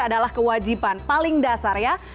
adalah kewajiban paling dasar ya